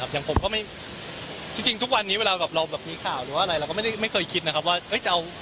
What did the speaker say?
ที่จริงทุกวันนี้เวลาเรามีข่าวเราก็ไม่เคยคิดว่า